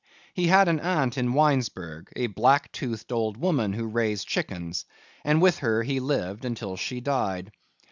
He had an aunt in Winesburg, a black toothed old woman who raised chickens, and with her he lived until she died.